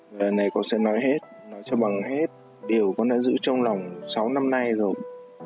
lần này con sẽ nói hết nói cho bằng hết điều con đã giữ trong lòng sáu năm nay rồi